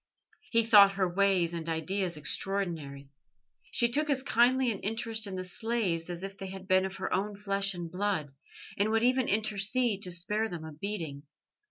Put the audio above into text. He thought her ways and ideas extraordinary. She took as kindly an interest in the slaves as if they had been of her own flesh and blood, and would even intercede to spare them a beating.